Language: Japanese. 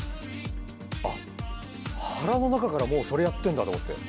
あっ腹の中からもうそれやってるんだと思って。